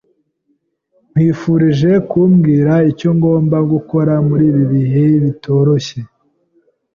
[S] Nkwifurije kumbwira icyo ngomba gukora muri ibi bihe bitoroshye.